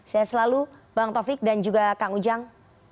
saya selalu bang taufik dan juga kang ujang